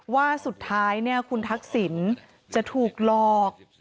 ว่าสุดท้ายคุณทักษิณจะถูกหลอก